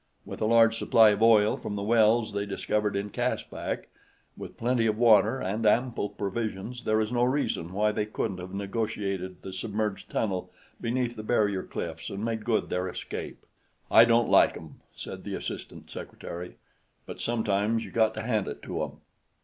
With a large supply of oil from the wells they discovered in Caspak, with plenty of water and ample provisions, there is no reason why they couldn't have negotiated the submerged tunnel beneath the barrier cliffs and made good their escape." "I don't like 'em," said the assistant secretary; "but sometimes you got to hand it to 'em."